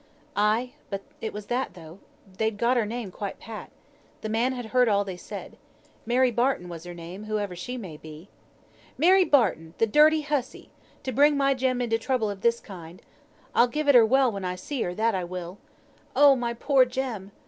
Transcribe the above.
"Ay, but it was that, though. They'd got her name quite pat. The man had heard all they said. Mary Barton was her name, whoever she may be." "Mary Barton! the dirty hussey! to bring my Jem into trouble of this kind. I'll give it her well when I see her: that I will. Oh! my poor Jem!"